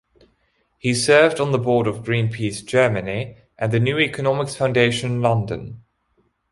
He served on the Board of Greenpeace, Germany, and the New Economics Foundation, London.